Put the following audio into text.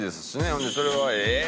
ほんでそれは「ええー！」